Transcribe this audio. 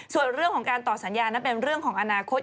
ส่วนเรื่องของการต่อสัญญานั้นเป็นเรื่องของอนาคต